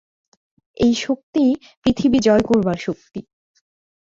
এই শক্তিই পৃথিবী জয় করবার শক্তি।